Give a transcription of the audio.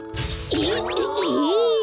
えっえっ！？